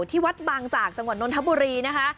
ที่วัดบางจากจังหวัดนนทบุรีนะคะ